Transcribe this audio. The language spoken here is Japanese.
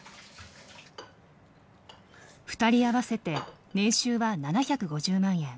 ２人合わせて年収は７５０万円。